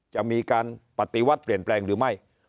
จะมีการปฏิวัติเปลี่ยนแปลงหรือไม่